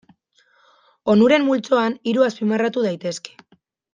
Onuren multzoan hiru azpimarratu daitezke.